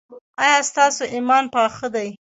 ایا ستاسو ایمان پاخه دی؟